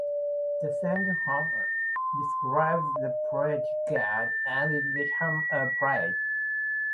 The song "Hosanna" describes a prayer to God, and is a hymn of praise.